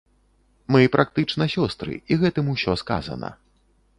Мы практычна сёстры, і гэтым усё сказана.